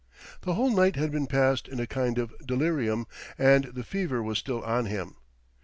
The whole night had been passed in a kind of delirium, and the fever was still on him.